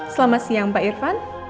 selamat siang pak irvan